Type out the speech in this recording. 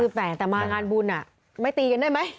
คือแฝนแต่มางานบุญอ่ะไม่ตีกันได้ไหม